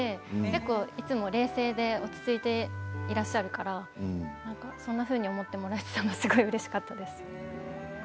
結構いつも冷静で落ち着いていらっしゃるからなんか、そんなふうに思ってもらえていたのはすごく、うれしかったです。